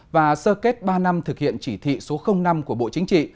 và sơ kết ba năm thực hiện chỉ thị số năm của bộ chính trị